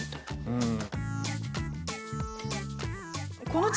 うん。